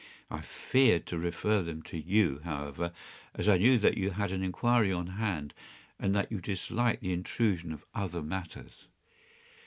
I feared to refer them to you, however, as I knew that you had an inquiry on hand, and that you disliked the intrusion of other matters.